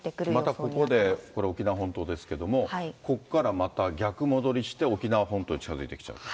またここで、これ、沖縄本島ですけれども、ここからまた逆戻りして、沖縄本島に近づいてきちゃうと。